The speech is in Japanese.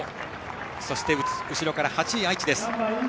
そして後ろから８位、愛知。